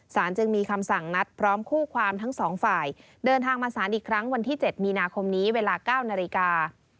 จึงมีคำสั่งนัดพร้อมคู่ความทั้งสองฝ่ายเดินทางมาสารอีกครั้งวันที่๗มีนาคมนี้เวลา๙นาฬิกา